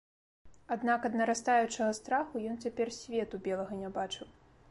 Аднак ад нарастаючага страху ён цяпер свету белага не бачыў.